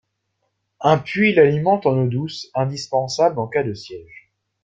Un puits l'alimente en eau douce, indispensable en cas de siège.